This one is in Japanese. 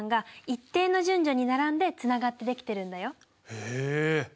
へえ。